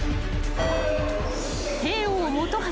［帝王本橋］